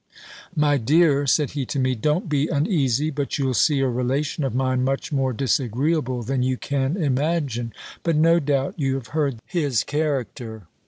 My dear," said he to me, "don't be uneasy; but you'll see a relation of mine much more disagreeable than you can imagine; but no doubt you have heard his character."